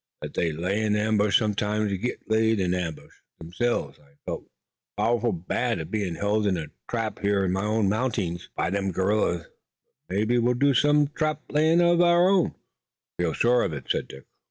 "Them that lay an ambush sometimes git laid in an ambush theirselves. I felt pow'ful bad at bein' held in a trap here in my own mountings by them gorillers, but mebbe we'll do some trap layin' uv our own." "I feel sure of it," said Dick.